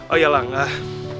oh ya lah enggak